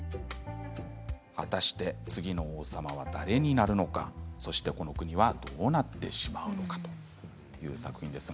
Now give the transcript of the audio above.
果たして次の王様は誰になるのかそして、この国はどうなってしまうのかという作品です。